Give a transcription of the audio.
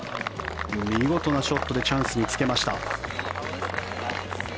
見事なショットでチャンスにつけました。